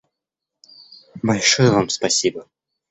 Большое Вам спасибо.